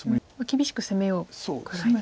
厳しく攻めようぐらい。